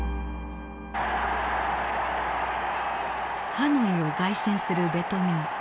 ハノイを凱旋するベトミン。